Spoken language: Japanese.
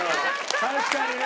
確かにね。